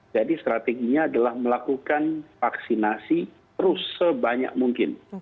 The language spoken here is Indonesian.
jadi strateginya adalah melakukan vaksinasi terus sebanyak mungkin